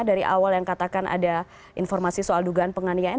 dari awal yang katakan ada informasi soal dugaan penganiayaan